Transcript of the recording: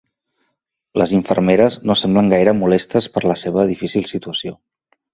Les infermeres no semblen gaire molestes per la seva difícil situació.